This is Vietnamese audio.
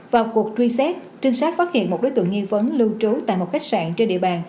vào cuộc truy xét trinh sát phát hiện một đối tượng nghi vấn lưu trú tại một khách sạn trên địa bàn